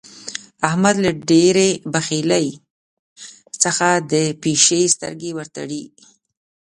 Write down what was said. احمد له ډېرې بخيلۍ څخه د پيشي سترګې ور تړي.